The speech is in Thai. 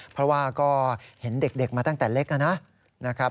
เพราะว่าก็เห็นเด็กมาตั้งแต่เล็กนะครับ